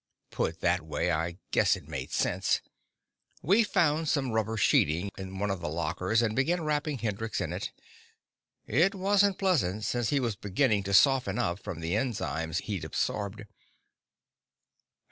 Put that way, I guess it made sense. We found some rubber sheeting in one of the lockers, and began wrapping Hendrix in it; it wasn't pleasant, since he was beginning to soften up from the enzymes he'd absorbed.